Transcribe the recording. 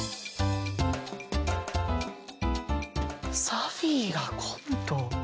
サフィーがコント。